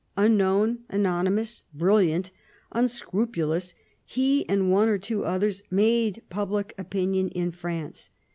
Unknown, anonymous, brilliant, unscrupulous, he and one or two others made public opinion in France.